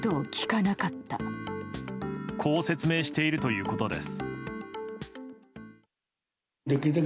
こう説明しているということです。